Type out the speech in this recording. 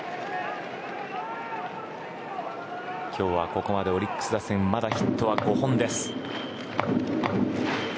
今日はここまでオリックス打線まだヒットは５本です。